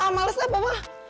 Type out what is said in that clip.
ah males ya bapak